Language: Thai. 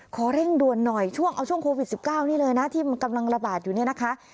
เร่งด่วนหน่อยช่วงเอาช่วงโควิด๑๙นี่เลยนะที่มันกำลังระบาดอยู่เนี่ยนะคะ